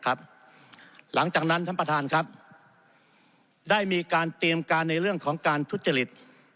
หลังจากนั้นท่านประธานครับได้มีการเตรียมการในเรื่องของการทุจริต